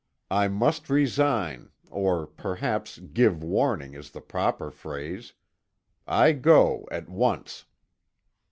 I must resign or perhaps 'give warning,' is the proper phrase. I go, at once."